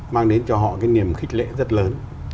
mang đến cho họ cái niềm khích lệ rất lớn